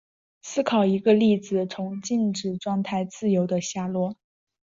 思考一个粒子从静止状态自由地下落。